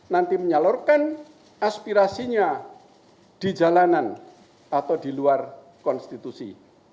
nanti menyalurkan aspirasinya di jalanan atau di luar konstitusi